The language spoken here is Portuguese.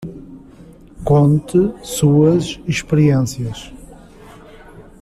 Conte suas experiências.